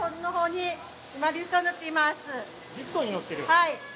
はい。